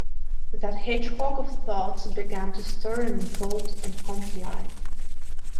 That hedgehog of thoughts began to stir and unfold and come to life.